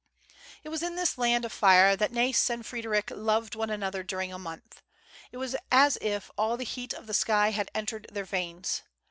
It was in this land of fire that Nais andFred^^ric loved one another during a month. It was as if all the heat of the sky had entered their veins.